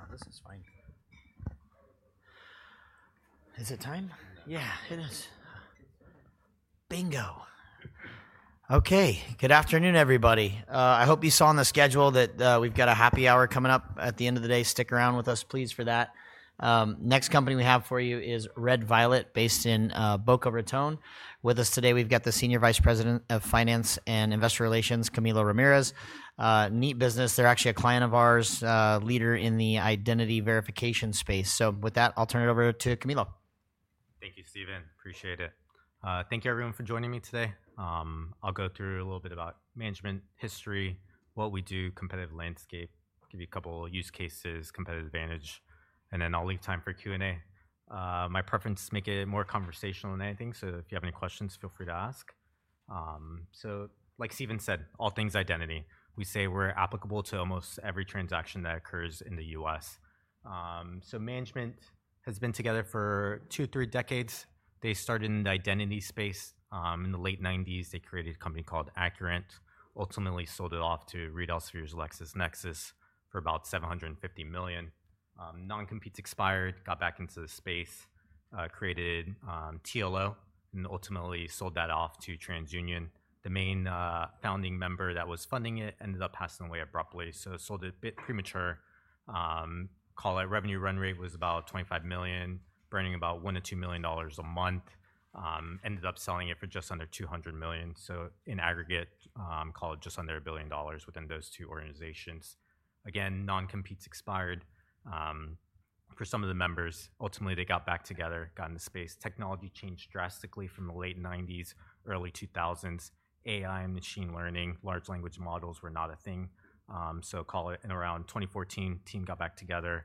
No, no, no. This is fine. Is it time? Yeah, it is. Bingo. Okay. Good afternoon, everybody. I hope you saw on the schedule that, we've got a happy hour coming up at the end of the day. Stick around with us, please, for that. Next company we have for you is Red Violet, based in Boca Raton. With us today, we've got the Senior Vice President of Finance and Investor Relations, Camilo Ramirez. Neat business. They're actually a client of ours, leader in the identity verification space. So with that, I'll turn it over to Camilo. Thank you, Steven. Appreciate it. Thank you, everyone, for joining me today. I'll go through a little bit about management history, what we do, competitive landscape, give you a couple of use cases, competitive advantage, and then I'll leave time for Q&A. My preference is to make it more conversational than anything, so if you have any questions, feel free to ask. Like Steven said, all things identity, we say we're applicable to almost every transaction that occurs in the U.S. Management has been together for two, three decades. They started in the identity space, in the late 1990s. They created a company called Accurint, ultimately sold it off to Reed Elsevier LexisNexis for about $750 million. Non-compete's expired, got back into the space, created TLO, and ultimately sold that off to TransUnion. The main, founding member that was funding it ended up passing away abruptly, so sold it a bit premature. Call it revenue run rate was about $25 million, burning about $1-$2 million a month. Ended up selling it for just under $200 million. In aggregate, call it just under a billion dollars within those two organizations. Again, non-compete's expired. For some of the members, ultimately they got back together, got in the space. Technology changed drastically from the late 1990s, early 2000s. AI and machine learning, large language models were not a thing. Call it in around 2014, team got back together,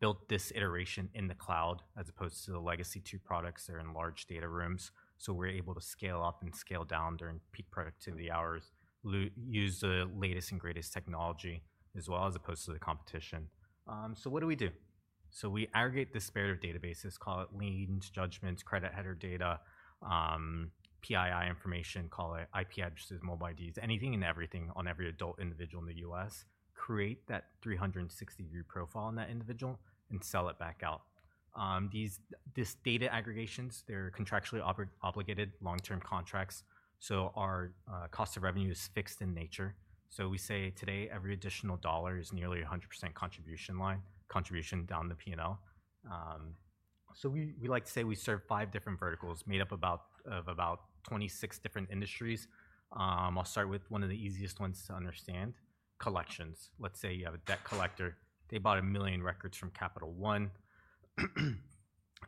built this iteration in the cloud as opposed to the legacy two products. They're in large data rooms, so we're able to scale up and scale down during peak productivity hours, use the latest and greatest technology as well as opposed to the competition. So what do we do? We aggregate disparate databases, call it liens, judgments, credit header data, PII information, call it IP addresses, mobile IDs, anything and everything on every adult individual in the U.S., create that 360-degree profile on that individual, and sell it back out. These data aggregations, they're contractually obligated, long-term contracts, so our cost of revenue is fixed in nature. We say today every additional dollar is nearly 100% contribution line, contribution down the P&L. We like to say we serve five different verticals made up of about 26 different industries. I'll start with one of the easiest ones to understand, collections. Let's say you have a debt collector, they bought a million records from Capital One.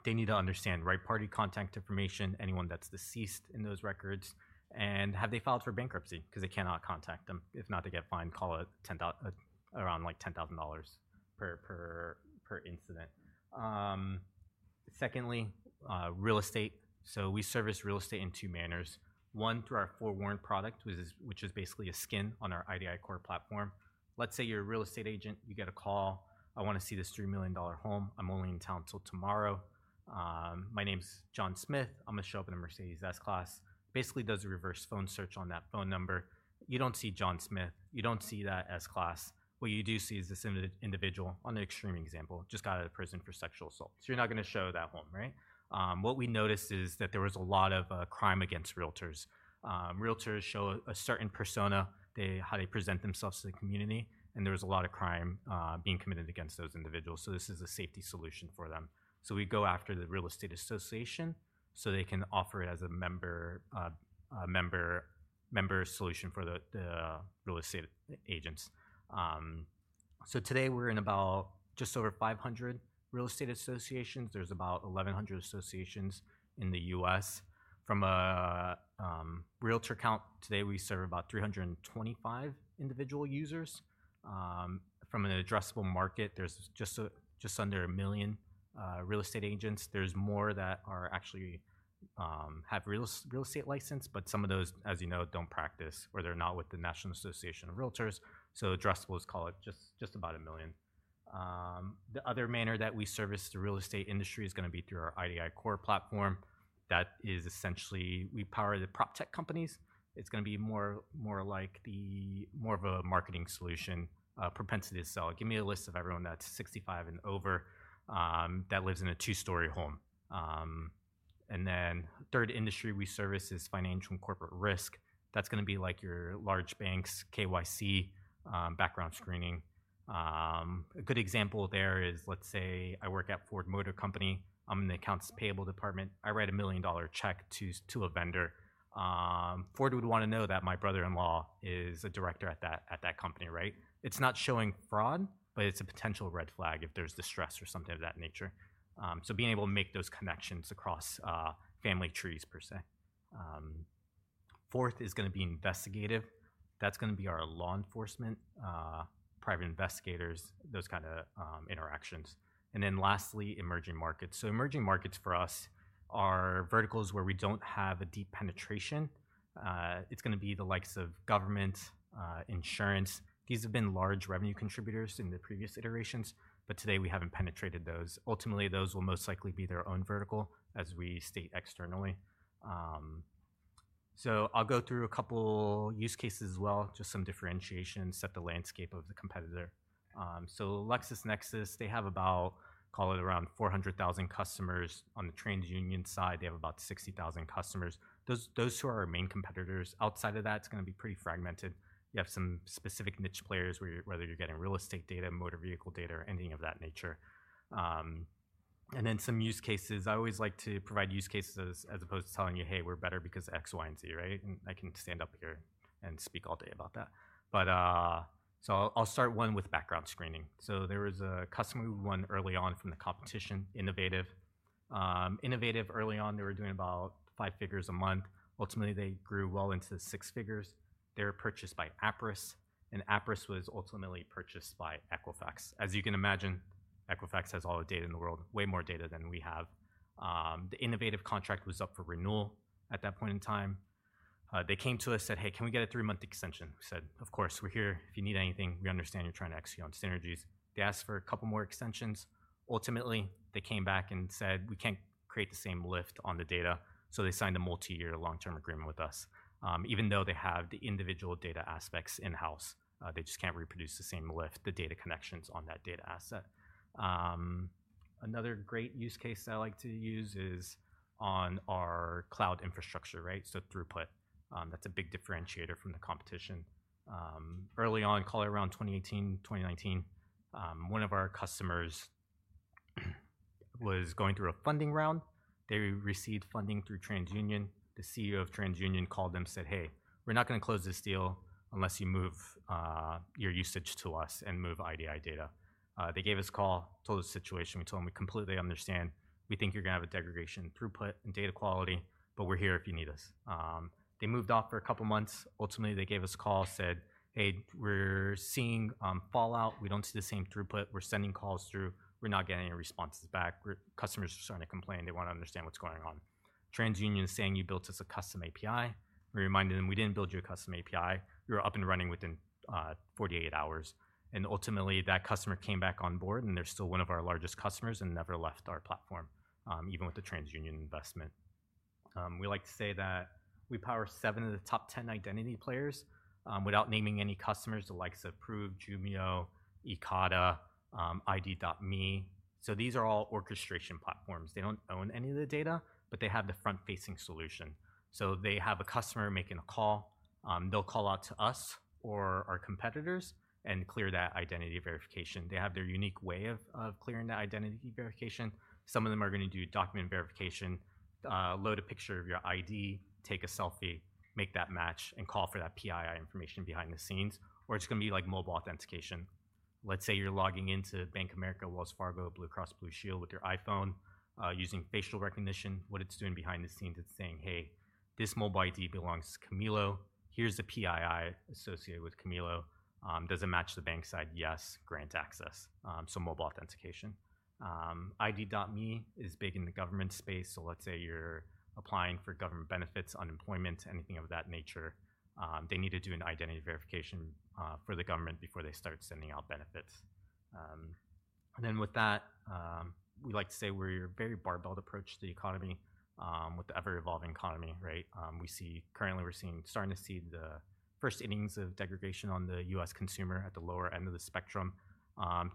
They need to understand right party contact information, anyone that's deceased in those records, and have they filed for bankruptcy? 'Cause they cannot contact them. If not, they get fined, call it around like $10,000 per incident. Secondly, real estate. We service real estate in two manners. One, through our Forewarn product, which is basically a skin on our IDI core platform. Let's say you're a real estate agent, you get a call, "I want to see this $3 million home. I'm only in town till tomorrow. My name's John Smith. I'm going to show up in a Mercedes S-Class." Basically does a reverse phone search on that phone number. You don't see John Smith, you don't see that S-Class. What you do see is this individual, on the extreme example, just got out of prison for sexual assault. You're not going to show that home, right? What we noticed is that there was a lot of crime against realtors. Realtors show a certain persona, how they present themselves to the community, and there was a lot of crime being committed against those individuals. This is a safety solution for them. We go after the real estate association so they can offer it as a member solution for the real estate agents. Today we're in just over 500 real estate associations. There are about 1,100 associations in the U.S. From a realtor count, today we serve about 325 individual users. From an addressable market, there's just under a million real estate agents. There are more that actually have real estate licenses, but some of those, as you know, don't practice or they're not with the National Association of Realtors. So addressables, call it just about a million. The other manner that we service the real estate industry is going to be through our IDI core platform. That is essentially we power the prop tech companies. It's going to be more, more like the more of a marketing solution, propensity to sell. Give me a list of everyone that's 65 and over, that lives in a two-story home. And then third industry we service is financial and corporate risk. That's going to be like your large banks, KYC, background screening. A good example there is, let's say I work at Ford Motor Company. I'm in the accounts payable department. I write a $1 million check to, to a vendor. Ford would want to know that my brother-in-law is a director at that, at that company, right? It's not showing fraud, but it's a potential red flag if there's distress or something of that nature. So being able to make those connections across, family trees per se. Fourth is going to be investigative. That's going to be our law enforcement, private investigators, those kind of interactions. And then lastly, emerging markets. Emerging markets for us are verticals where we don't have a deep penetration. It's going to be the likes of government, insurance. These have been large revenue contributors in the previous iterations, but today we haven't penetrated those. Ultimately, those will most likely be their own vertical as we state externally. I'll go through a couple use cases as well, just some differentiation, set the landscape of the competitor. So LexisNexis, they have about, call it around 400,000 customers. On the TransUnion side, they have about 60,000 customers. Those are our main competitors. Outside of that, it's going to be pretty fragmented. You have some specific niche players where, whether you're getting real estate data, motor vehicle data, or anything of that nature. And then some use cases. I always like to provide use cases as, as opposed to telling you, "Hey, we're better because X, Y, and Z," right? I can stand up here and speak all day about that. I'll start one with background screening. There was a customer we won early on from the competition, Innovative. Innovative early on, they were doing about five figures a month. Ultimately, they grew well into six figures. They were purchased by Appriss, and Appriss was ultimately purchased by Equifax. As you can imagine, Equifax has all the data in the world, way more data than we have. The Innovative contract was up for renewal at that point in time. They came to us, said, "Hey, can we get a three-month extension?" We said, "Of course. We're here. If you need anything, we understand you're trying to execute on synergies." They asked for a couple more extensions. Ultimately, they came back and said, "We can't create the same lift on the data." So they signed a multi-year long-term agreement with us. Even though they have the individual data aspects in-house, they just can't reproduce the same lift, the data connections on that data asset. Another great use case that I like to use is on our cloud infrastructure, right? Throughput, that's a big differentiator from the competition. Early on, call it around 2018, 2019, one of our customers was going through a funding round. They received funding through TransUnion. The CEO of TransUnion called them and said, "Hey, we're not going to close this deal unless you move your usage to us and move IDI data." They gave us a call, told us the situation. We told them we completely understand. We think you're going to have a degradation in throughput and data quality, but we're here if you need us. They moved off for a couple months. Ultimately, they gave us a call, said, "Hey, we're seeing fallout. We don't see the same throughput. We're sending calls through. We're not getting any responses back. Customers are starting to complain. They want to understand what's going on." TransUnion is saying, "You built us a custom API." We reminded them, "We didn't build you a custom API. You were up and running within 48 hours. Ultimately, that customer came back on board, and they're still one of our largest customers and never left our platform, even with the TransUnion investment. We like to say that we power seven of the top 10 identity players, without naming any customers, the likes of Prove, Jumio, Ekata, ID.me. These are all orchestration platforms. They do not own any of the data, but they have the front-facing solution. They have a customer making a call. They'll call out to us or our competitors and clear that identity verification. They have their unique way of clearing that identity verification. Some of them are going to do document verification, load a picture of your ID, take a selfie, make that match, and call for that PII information behind the scenes. Or it is going to be like mobile authentication. Let's say you're logging into Bank of America, Wells Fargo, Blue Cross Blue Shield with your iPhone, using facial recognition. What it's doing behind the scenes, it's saying, "Hey, this mobile ID belongs to Camilo. Here's the PII associated with Camilo. Does it match the bank side? Yes, grant access." Mobile authentication. ID.me is big in the government space. Let's say you're applying for government benefits, unemployment, anything of that nature. They need to do an identity verification for the government before they start sending out benefits. With that, we like to say we're a very barbelled approach to the economy, with the ever-evolving economy, right? We see currently, we're starting to see the first innings of degradation on the U.S. consumer at the lower end of the spectrum.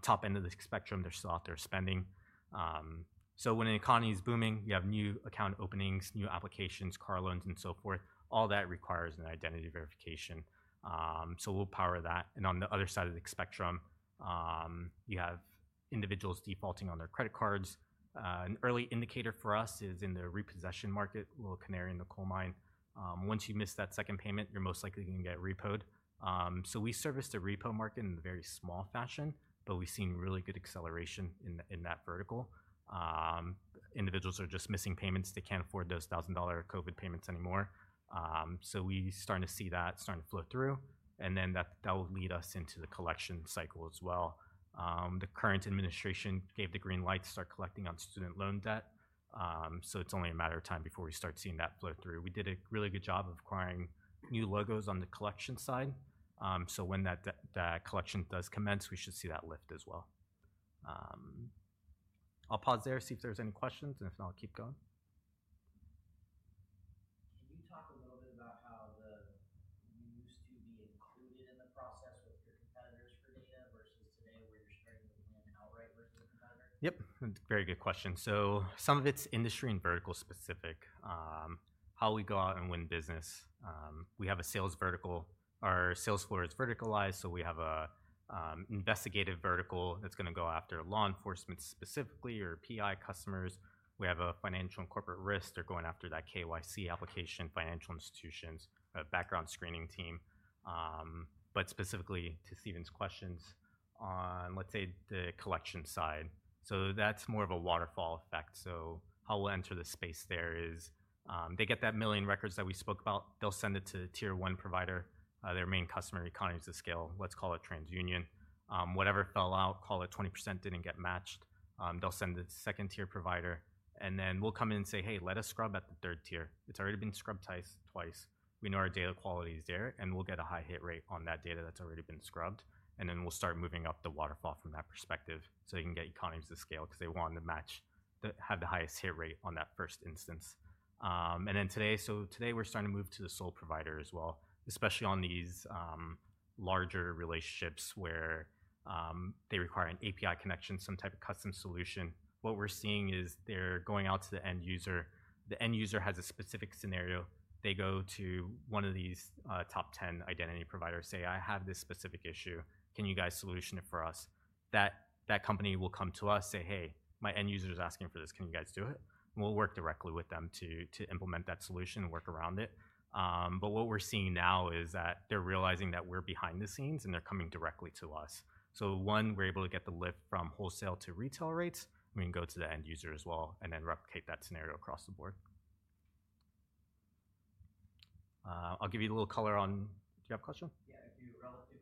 Top end of the spectrum, they're soft, they're spending. When an economy is booming, you have new account openings, new applications, car loans, and so forth. All that requires an identity verification. We'll power that. On the other side of the spectrum, you have individuals defaulting on their credit cards. An early indicator for us is in the repossession market, little canary in the coal mine. Once you miss that second payment, you're most likely going to get repoed. We service the repo market in a very small fashion, but we've seen really good acceleration in that vertical. Individuals are just missing payments. They can't afford those $1,000 COVID payments anymore. We're starting to see that starting to flow through. That will lead us into the collection cycle as well. The current administration gave the green light to start collecting on student loan debt. It's only a matter of time before we start seeing that flow through. We did a really good job of acquiring new logos on the collection side. When that collection does commence, we should see that lift as well. I'll pause there, see if there's any questions, and if not, I'll keep going. how you used to be included in the process with your competitors for data versus today? Yep. Very good question. Some of it's industry and vertical specific, how we go out and win business. We have a sales vertical. Our sales floor is verticalized, so we have an investigative vertical that's going to go after law enforcement specifically or PI customers. We have a financial and corporate risk. They're going after that KYC application, financial institutions, a background screening team. Specifically to Stephen's questions on, let's say, the collection side, that's more of a waterfall effect. How we'll enter the space there is, they get that million records that we spoke about. They'll send it to the tier one provider, their main customer, economies of scale, let's call it TransUnion. Whatever fell out, call it 20% didn't get matched, they'll send it to the second tier provider. Then we'll come in and say, "Hey, let us scrub at the third tier. It's already been scrubbed twice. We know our data quality is there, and we'll get a high hit rate on that data that's already been scrubbed. Then we'll start moving up the waterfall from that perspective so they can get economies of scale because they want to match, have the highest hit rate on that first instance. Today, we're starting to move to the sole provider as well, especially on these larger relationships where they require an API connection, some type of custom solution. What we're seeing is they're going out to the end user. The end user has a specific scenario. They go to one of these top 10 identity providers, say, "I have this specific issue. Can you guys solution it for us?" That company will come to us, say, "Hey, my end user is asking for this. Can you guys do it?" And we'll work directly with them to implement that solution and work around it. What we're seeing now is that they're realizing that we're behind the scenes and they're coming directly to us. So one, we're able to get the lift from wholesale to retail rates. We can go to the end user as well and then replicate that scenario across the board. I'll give you a little color on, do you have a question? Yeah, if you relative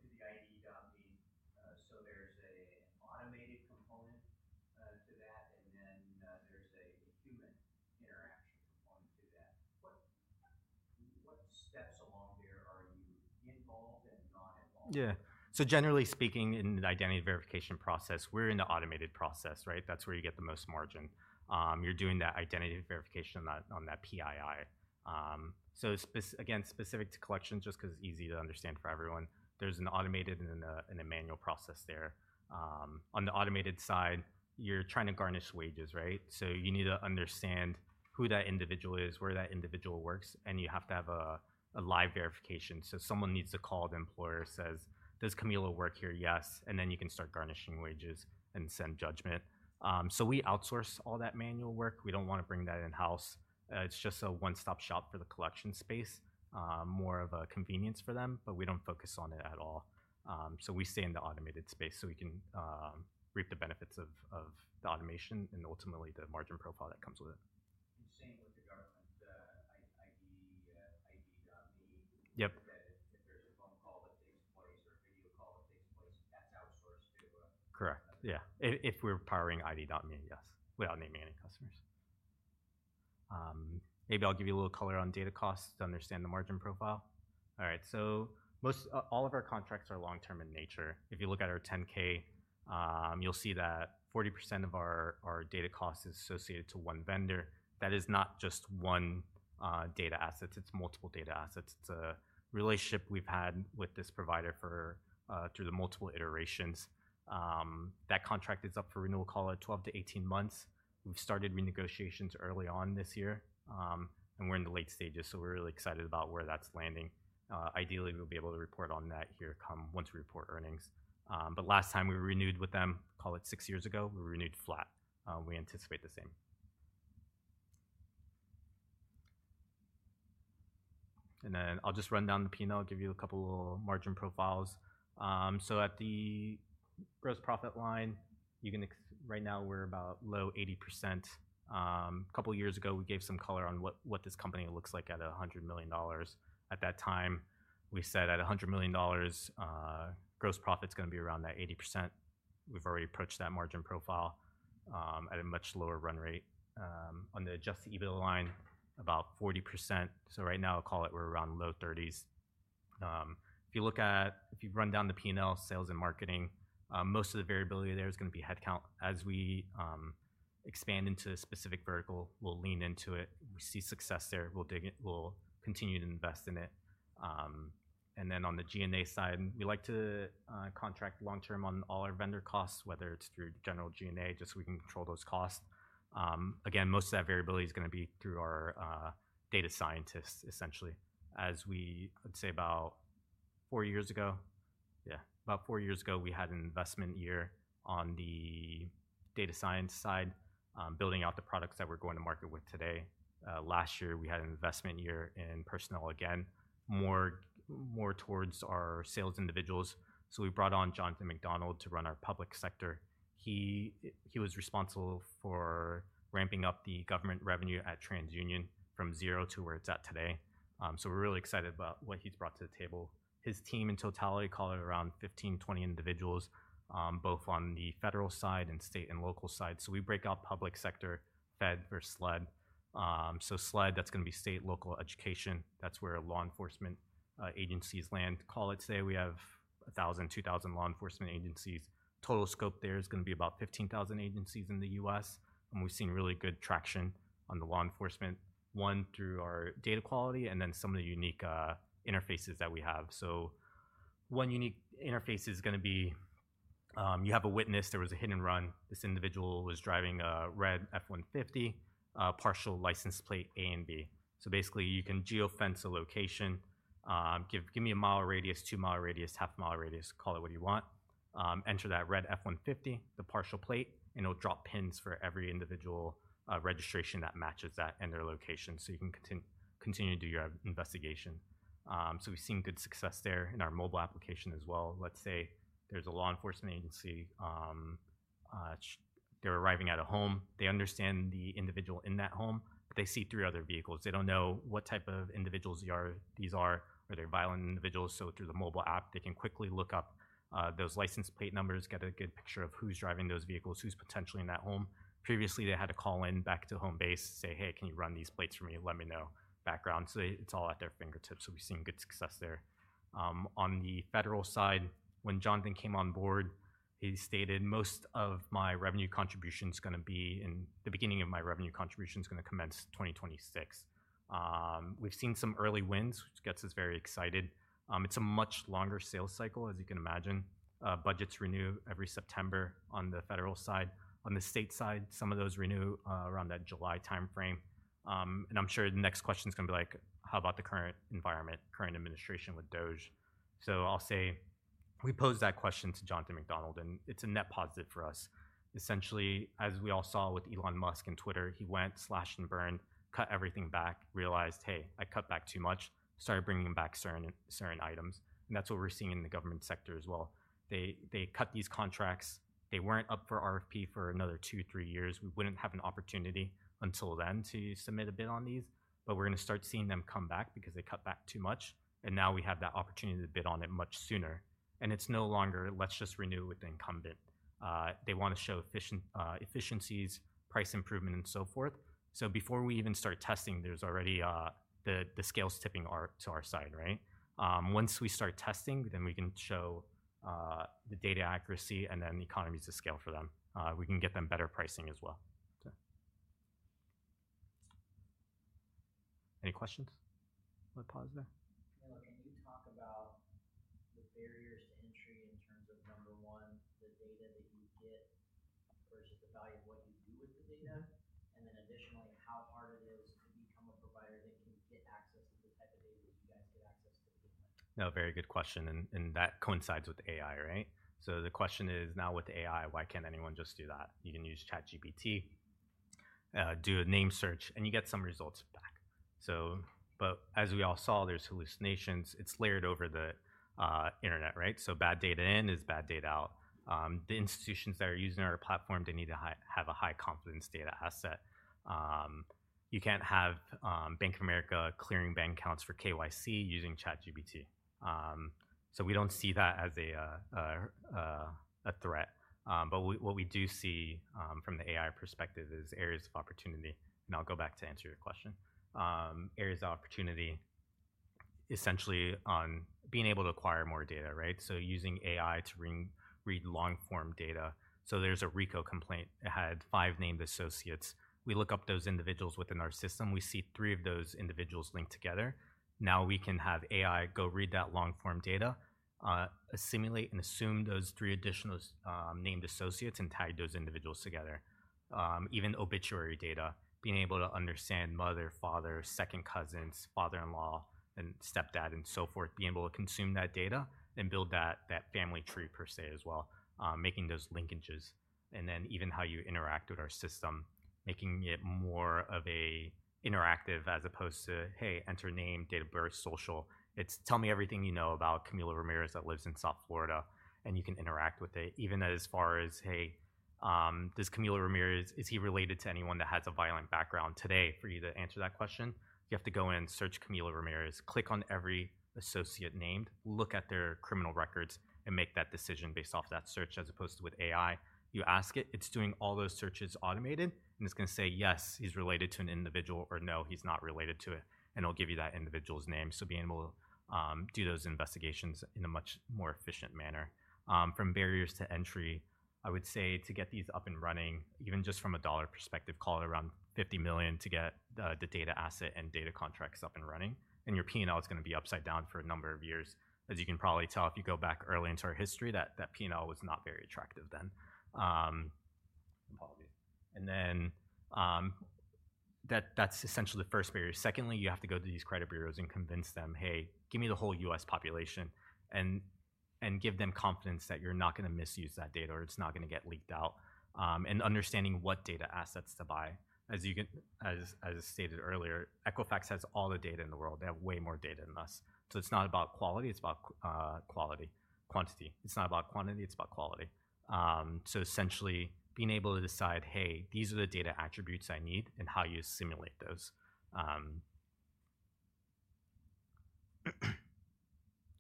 to the ID.me, so there's an automated component to that, and then there's a human interaction component to that. Yeah. So generally speaking, in the identity verification process, we're in the automated process, right? That's where you get the most margin. You're doing that identity verification on that PII. So again, specific to collection, just because it's easy to understand for everyone, there's an automated and a manual process there. On the automated side, you're trying to garnish wages, right? You need to understand who that individual is, where that individual works, and you have to have a live verification. Someone needs to call the employer and say, "Does Camilo work here?" "Yes." Then you can start garnishing wages and send judgment. We outsource all that manual work. We don't want to bring that in-house. It's just a one-stop shop for the collection space, more of a convenience for them, but we don't focus on it at all. We stay in the automated space so we can reap the benefits of the automation and ultimately the margin profile that comes with it. Yep. Correct. Yeah. If, if we're powering ID.me, yes, without naming any customers. Maybe I'll give you a little color on data costs to understand the margin profile. All right. Most, all of our contracts are long-term in nature. If you look at our 10-K, you'll see that 40% of our data cost is associated to one vendor. That is not just one data asset. It's multiple data assets. It's a relationship we've had with this provider through the multiple iterations. That contract is up for renewal, call it 12-18 months. We've started renegotiations early on this year, and we're in the late stages, so we're really excited about where that's landing. Ideally, we'll be able to report on that here come once we report earnings. Last time we renewed with them, call it six years ago, we renewed flat. We anticipate the same. I'll just run down the P&L. I'll give you a couple of margin profiles. At the gross profit line, you can, right now, we're about low 80%. A couple of years ago, we gave some color on what this company looks like at $100 million. At that time, we said at $100 million, gross profit's going to be around that 80%. We've already approached that margin profile at a much lower run rate. On the adjusted EBITDA line, about 40%. Right now, I'll call it we're around low 30s. If you look at, if you run down the P&L, sales and marketing, most of the variability there is going to be headcount. As we expand into a specific vertical, we'll lean into it. We see success there. We'll dig, we'll continue to invest in it. And then on the G&A side, we like to contract long-term on all our vendor costs, whether it's through general G&A, just so we can control those costs. Again, most of that variability is going to be through our data scientists, essentially. As we, I'd say about four years ago, yeah, about four years ago, we had an investment year on the data science side, building out the products that we're going to market with today. Last year, we had an investment year in personnel again, more, more towards our sales individuals. We brought on Jonathan MacDonald to run our public sector. He was responsible for ramping up the government revenue at TransUnion from zero to where it's at today. We are really excited about what he's brought to the table. His team in totality, call it around 15-20 individuals, both on the federal side and state and local side. We break out public sector, Fed versus SLED. SLED, that's going to be state, local, education. That's where law enforcement agencies land. Call it today, we have 1,000-2,000 law enforcement agencies. Total scope there is going to be about 15,000 agencies in the U.S. We have seen really good traction on the law enforcement, one through our data quality and then some of the unique interfaces that we have. One unique interface is going to be, you have a witness. There was a hit-and-run. This individual was driving a red F-150, partial license plate A and B. Basically, you can geofence a location, give me a mile radius, two mile radius, half a mile radius, call it what you want, enter that red F-150, the partial plate, and it'll drop pins for every individual registration that matches that and their location. You can continue to do your investigation. We've seen good success there in our mobile application as well. Let's say there's a law enforcement agency, they're arriving at a home. They understand the individual in that home, but they see three other vehicles. They don't know what type of individuals these are. Are they violent individuals? Through the mobile app, they can quickly look up those license plate numbers, get a good picture of who's driving those vehicles, who's potentially in that home. Previously, they had to call in back to home base, say, "Hey, can you run these plates for me? Let me know background." It is all at their fingertips. We have seen good success there. On the federal side, when Jonathan came on board, he stated, "Most of my revenue contribution is going to be in the beginning of my revenue contribution is going to commence 2026." We have seen some early wins, which gets us very excited. It is a much longer sales cycle, as you can imagine. Budgets renew every September on the federal side. On the state side, some of those renew around that July timeframe. I am sure the next question is going to be like, "How about the current environment, current administration with DOGE?" I will say we posed that question to Jonathan McDonald, and it is a net positive for us. Essentially, as we all saw with Elon Musk and Twitter, he went, slashed and burned, cut everything back, realized, "Hey, I cut back too much," started bringing back certain, certain items. That is what we are seeing in the government sector as well. They cut these contracts. They were not up for RFP for another two, three years. We would not have an opportunity until then to submit a bid on these. We are going to start seeing them come back because they cut back too much. Now we have that opportunity to bid on it much sooner. It is no longer, "Let's just renew with incumbent." They want to show efficiencies, price improvement, and so forth. Before we even start testing, there is already the scales tipping to our side, right? Once we start testing, then we can show the data accuracy and then the economies of scale for them. We can get them better pricing as well. Any questions? I'll pause there. Can you talk about the barriers to entry in terms of, number one, the data that you get versus the value of what you do with the data? And then additionally, how hard it is to become a provider that can get access to the type of data that you guys get access to? No, very good question. That coincides with AI, right? The question is now with AI, why can't anyone just do that? You can use ChatGPT, do a name search, and you get some results back. As we all saw, there are hallucinations. It is layered over the internet, right? Bad data in is bad data out. The institutions that are using our platform, they need to have a high confidence data asset. You can't have Bank of America clearing bank accounts for KYC using ChatGPT. We do not see that as a threat. What we do see from the AI perspective is areas of opportunity. I will go back to answer your question. Areas of opportunity are essentially on being able to acquire more data, right? Using AI to read long-form data. There is a RICO complaint. It had five named associates. We look up those individuals within our system. We see three of those individuals linked together. Now we can have AI go read that long-form data, assimilate and assume those three additional, named associates and tie those individuals together. Even obituary data, being able to understand mother, father, second cousins, father-in-law, and stepdad, and so forth, being able to consume that data and build that family tree per se as well, making those linkages. Then even how you interact with our system, making it more of an interactive as opposed to, "Hey, enter name, date of birth, social." It is tell me everything you know about Camilo Ramirez that lives in South Florida, and you can interact with it. Even as far as, "Hey, does Camilo Ramirez, is he related to anyone that has a violent background today?" For you to answer that question, you have to go in, search Camilo Ramirez, click on every associate named, look at their criminal records, and make that decision based off that search as opposed to with AI. You ask it, it's doing all those searches automated, and it's going to say, "Yes, he's related to an individual," or, "No, he's not related to it." It will give you that individual's name. Being able to do those investigations in a much more efficient manner. From barriers to entry, I would say to get these up and running, even just from a dollar perspective, call it around $50 million to get the data asset and data contracts up and running. Your P&L is going to be upside down for a number of years. As you can probably tell, if you go back early into our history, that P&L was not very attractive then. That is essentially the first barrier. Secondly, you have to go to these credit bureaus and convince them, "Hey, give me the whole U.S. population," and give them confidence that you're not going to misuse that data or it's not going to get leaked out. Understanding what data assets to buy. As stated earlier, Equifax has all the data in the world. They have way more data than us. It is not about quantity. It is about quality. Essentially being able to decide, "Hey, these are the data attributes I need," and how you simulate those.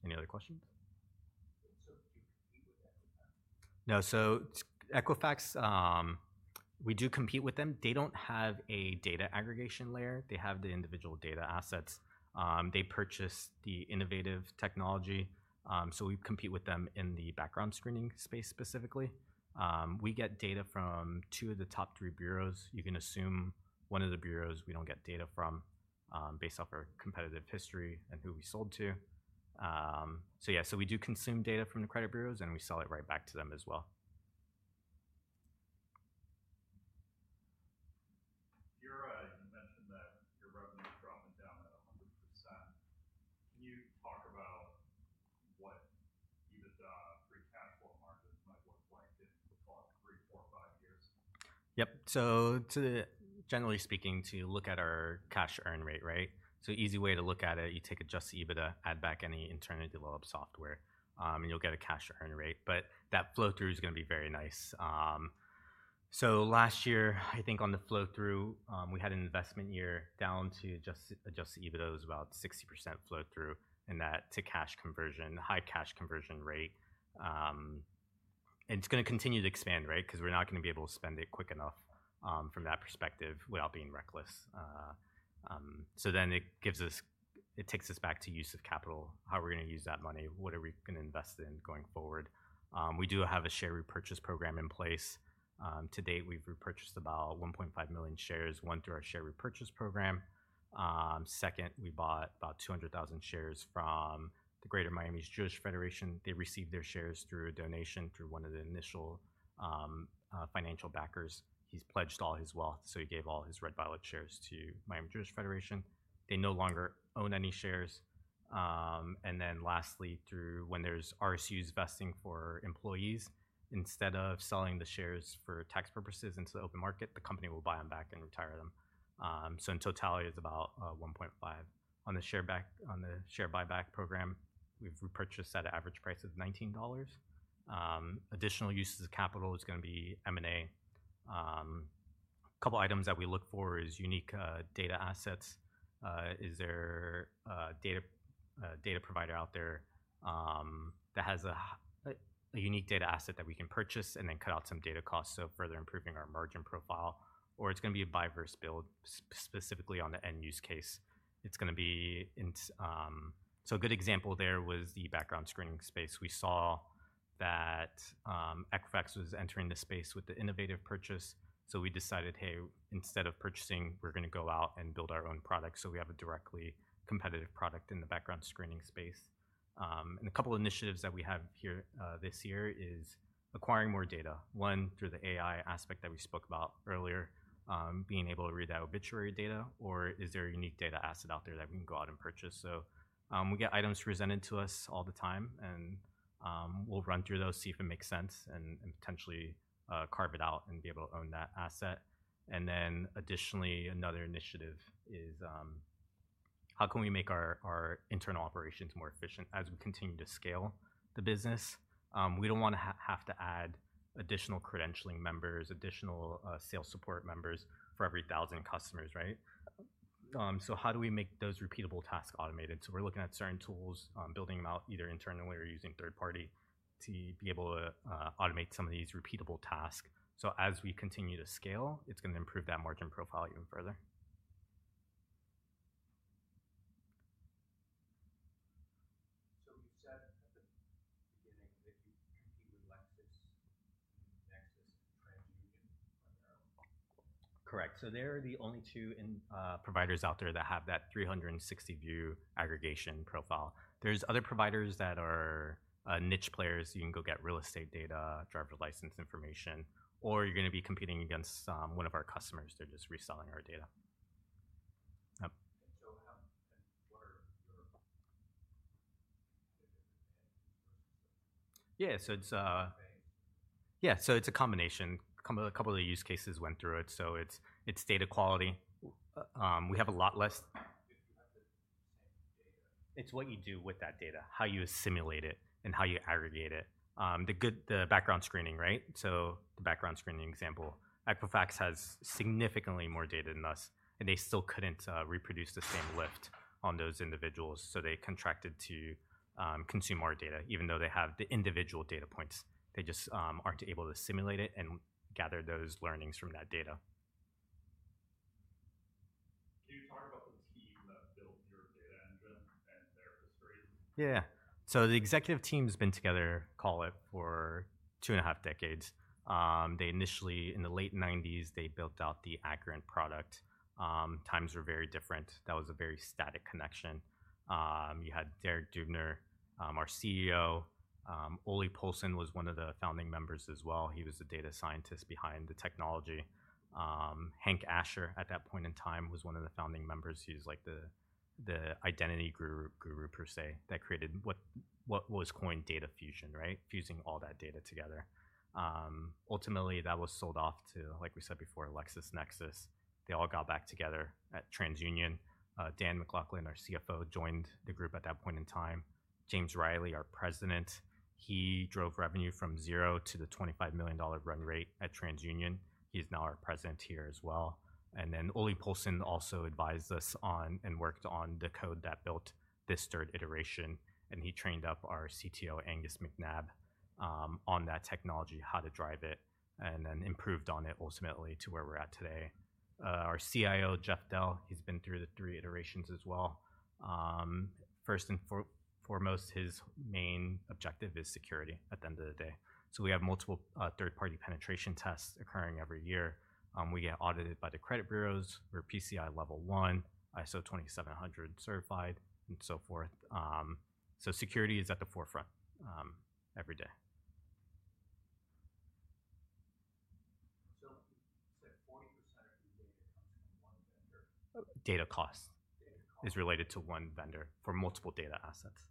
Any other questions? No, so Equifax, we do compete with them. They do not have a data aggregation layer. They have the individual data assets. They purchased the Innovative technology. We compete with them in the background screening space specifically. We get data from two of the top three bureaus. You can assume one of the bureaus we do not get data from, based off our competitive history and who we sold to. Yeah, we do consume data from the credit bureaus and we sell it right back to them as well. You mentioned that your revenue is dropping down at 100%. Can you talk about what EBITDA. Yep. To generally speaking, to look at our cash earn rate, right? Easy way to look at it, you take adjusted EBITDA, add back any internally developed software, and you'll get a cash earn rate. That flow through is going to be very nice. Last year, I think on the flow through, we had an investment year down to adjusted EBITDA was about 60% flow through in that to cash conversion, high cash conversion rate. It's going to continue to expand, right? Because we're not going to be able to spend it quick enough, from that perspective without being reckless. It gives us, it takes us back to use of capital, how we're going to use that money, what are we going to invest in going forward. We do have a share repurchase program in place. To date, we've repurchased about 1.5 million shares, one through our share repurchase program. Second, we bought about 200,000 shares from the Greater Miami Jewish Federation. They received their shares through a donation through one of the initial financial backers. He's pledged all his wealth, so he gave all his Red Violet shares to Miami Jewish Federation. They no longer own any shares. And then lastly, through when there's RSUs vesting for employees, instead of selling the shares for tax purposes into the open market, the company will buy them back and retire them. So in totality, it's about 1.5 million. On the share buyback program, we've repurchased at an average price of $19. Additional uses of capital is going to be M&A. A couple of items that we look for is unique data assets. Is there a data provider out there that has a unique data asset that we can purchase and then cut out some data costs of further improving our margin profile? Or it is going to be a buy versus build specifically on the end use case it is going to be in. A good example there was the background screening space. We saw that Equifax was entering the space with the Innovative purchase. We decided, "Hey, instead of purchasing, we are going to go out and build our own product." We have a directly competitive product in the background screening space. A couple of initiatives that we have here this year are acquiring more data, one through the AI aspect that we spoke about earlier, being able to read that obituary data, or is there a unique data asset out there that we can go out and purchase? We get items presented to us all the time and, we'll run through those, see if it makes sense and, and potentially, carve it out and be able to own that asset. Additionally, another initiative is, how can we make our internal operations more efficient as we continue to scale the business? We do not want to have to add additional credentialing members, additional sales support members for every 1,000 customers, right? How do we make those repeatable tasks automated? We are looking at certain tools, building them out either internally or using third party to be able to automate some of these repeatable tasks. As we continue to scale, it is going to improve that margin profile even further. You said at the beginning that you compete with LexisNexis and TransUnion. Correct. They're the only two providers out there that have that 360 view aggregation profile. There are other providers that are niche players. You can go get real estate data, driver license information, or you're going to be competing against one of our customers. They're just reselling our data. Yep. Yeah, it's a combination. A couple of the use cases went through it. It's data quality. We have a lot less. It's what you do with that data, how you assimilate it and how you aggregate it. The good, the background screening, right? The background screening example, Equifax has significantly more data than us, and they still couldn't reproduce the same lift on those individuals. They contracted to consume our data, even though they have the individual data points. They just aren't able to simulate it and gather those learnings from that data. Yeah. So the executive team's been together, call it, for two and a half decades. They initially, in the late nineties, they built out the Accurint product. Times were very different. That was a very static connection. You had Derek Dubner, our CEO. Ole Poulsen was one of the founding members as well. He was the data scientist behind the technology. Hank Asher at that point in time was one of the founding members. He was like the identity guru, guru per se that created what, what was coined data fusion, right? Fusing all that data together. Ultimately, that was sold off to, like we said before, LexisNexis. They all got back together at TransUnion. Dan MacLachlan, our CFO, joined the group at that point in time. James Reilly, our President, he drove revenue from zero to the $25 million run rate at TransUnion. He's now our President here as well. Ole Poulsen also advised us on and worked on the code that built this third iteration. He trained up our CTO, Angus Macnab, on that technology, how to drive it, and then improved on it ultimately to where we're at today. Our CIO, Jeff Dell, he's been through the three iterations as well. First and foremost, his main objective is security at the end of the day. We have multiple third party penetration tests occurring every year. We get audited by the credit bureaus. We're PCI Level 1, ISO 27001 certified, and so forth. Security is at the forefront, every day. You said 40% of your data Data cost. Is related to one vendor for multiple data assets.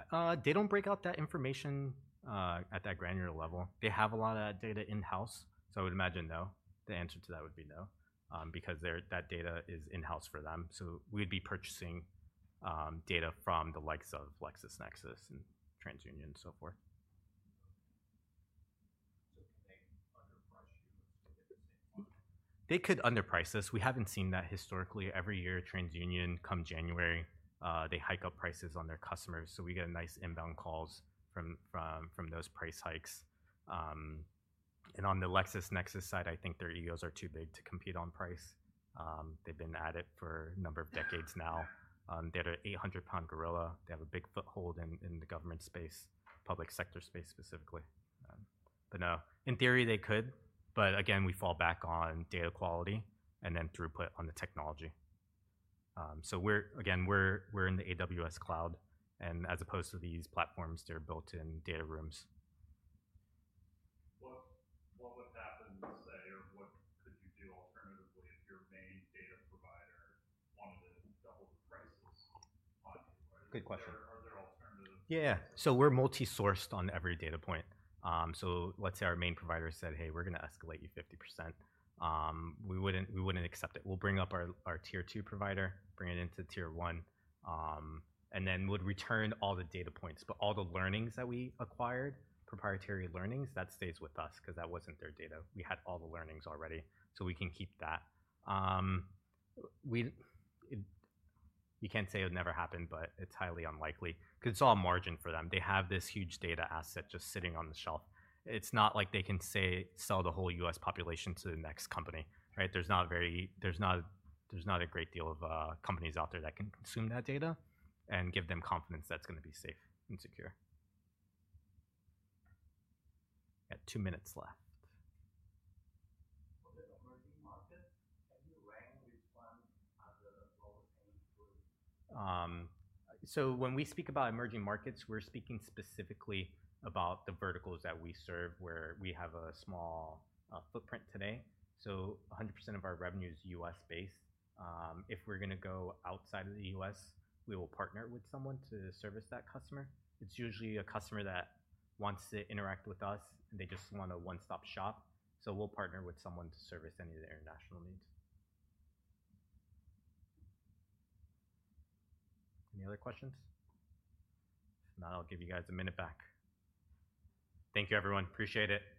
They don't break out that information at that granular level. They have a lot of that data in-house. I would imagine no. The answer to that would be no, because that data is in-house for them. We'd be purchasing data from the likes of LexisNexis and TransUnion and so forth. They could underprice us. We haven't seen that historically. Every year, TransUnion, come January, they hike up prices on their customers. We get nice inbound calls from those price hikes. On the LexisNexis side, I think their egos are too big to compete on price. They've been at it for a number of decades now. They're an 800 lb gorilla. They have a big foothold in the government space, public sector space specifically. In theory they could, but again, we fall back on data quality and then throughput on the technology. We're in the AWS cloud. As opposed to these platforms, they're built in data rooms. What, what would happen to say, or what could you do alternatively if your main data provider wanted to double the prices? Good question. Yeah, yeah. We're multi-sourced on every data point. Let's say our main provider said, "Hey, we're going to escalate you 50%." We wouldn't accept it. We'll bring up our tier two provider, bring it into tier one, and then we'd return all the data points. All the learnings that we acquired, proprietary learnings, that stays with us because that wasn't their data. We had all the learnings already, so we can keep that. You can't say it never happened, but it's highly unlikely because it's all margin for them. They have this huge data asset just sitting on the shelf. It's not like they can sell the whole U.S. population to the next company, right? There's not a very, there's not a great deal of companies out there that can consume that data and give them confidence that's going to be safe and secure. Got two minutes left. For the emerging markets, can you rank which ones have the lowest angle? When we speak about emerging markets, we're speaking specifically about the verticals that we serve where we have a small footprint today. 100% of our revenue is U.S. based. If we're going to go outside of the U.S., we will partner with someone to service that customer. It's usually a customer that wants to interact with us and they just want a one-stop shop. We'll partner with someone to service any of the international needs. Any other questions? If not, I'll give you guys a minute back. Thank you, everyone. Appreciate it.